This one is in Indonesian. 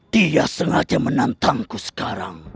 dia sengaja menentangku sekarang